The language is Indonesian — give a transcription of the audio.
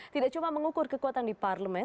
tidak cuma mengukur kekuatan di parlemen